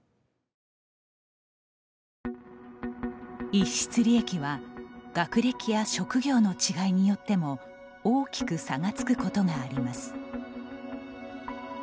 逸失利益は学歴や職業の違いによっても大きく差がつくことがあります。